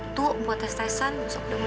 ya mabal teman zat menurut mbak